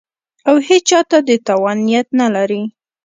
او هېچا ته د تاوان نیت نه لري